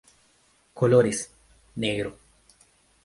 Colores: Negro.